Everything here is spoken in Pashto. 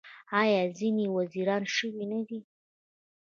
آیا ځینې یې وزیران شوي نه دي؟